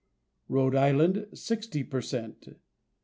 Rhode Island 60 per cent.